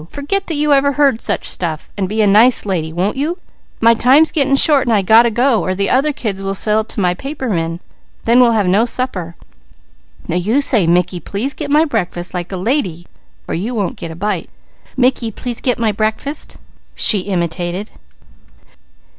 Forget that you ever heard such stuff, and be a nice lady, won't you? My time's getting short and I got to go, or the other kids will sell to my paper men, then we'll have no supper. Now you say, 'Mickey, please get my breakfast,' like a lady, or you won't get a bite." "'Mickey, please get my breakfast,'" she imitated.